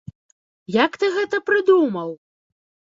Як ты гэта прыдумаў?